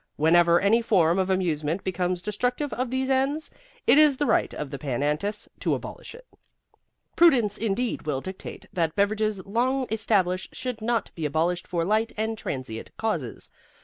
Whenever any form of amusement becomes destructive of these ends, it is the right of the Pan Antis to abolish it. Prudence, indeed, will dictate that beverages long established should not be abolished for light and transient causes.